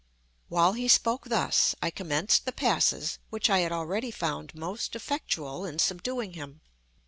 While he spoke thus, I commenced the passes which I had already found most effectual in subduing him.